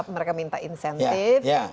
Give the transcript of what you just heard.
mereka minta insentif